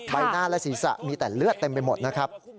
ใบหน้าและศีรษะมีแต่เลือดเต็มไปหมดนะครับ